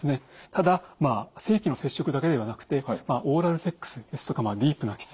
ただ性器の接触だけではなくてオーラルセックスですとかディープなキス。